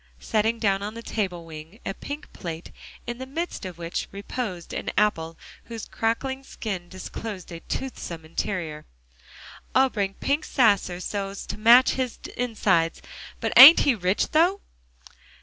setting down on the table wing a pink plate in the midst of which reposed an apple whose crackling skin disclosed a toothsome interior. "I bring a pink sasser so's to match his insides. But ain't he rich, though!"